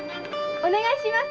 お願いします。